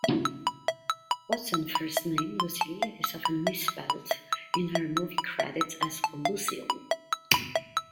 Watson's first name, Lucile, is often misspelled in her movie credits as Lucille.